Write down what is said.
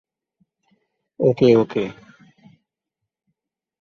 ওকে, ওকে।